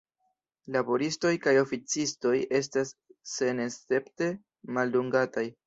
Laboristoj kaj oﬁcistoj estas senescepte maldungataj.